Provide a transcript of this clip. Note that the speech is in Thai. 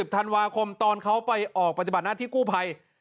ธันวาคมตอนเขาไปออกปฏิบัติหน้าที่กู้ภัย